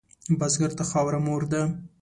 بزګر ته خاوره مور ده